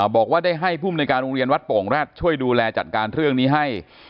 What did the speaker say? บอกว่าได้ให้ภูมิในการโรงเรียนวัดโป่งแร็ดช่วยดูแลจัดการเรื่องนี้ให้